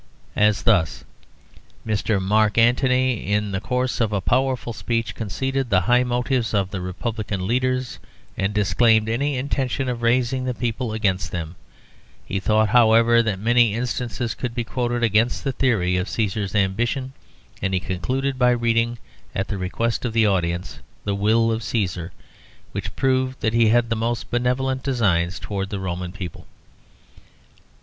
As thus "Mr. Mark Antony, in the course of a powerful speech, conceded the high motives of the Republican leaders, and disclaimed any intention of raising the people against them; he thought, however, that many instances could be quoted against the theory of Cæsar's ambition, and he concluded by reading, at the request of the audience, the will of Cæsar, which proved that he had the most benevolent designs towards the Roman people."